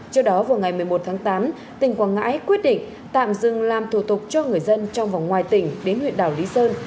trước đó vào ngày một mươi một tháng tám tỉnh quảng ngãi quyết định tạm dừng làm thủ tục cho người dân trong và ngoài tỉnh đến huyện đảo lý sơn